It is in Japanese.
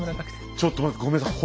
ちょっと待ってごめんなさい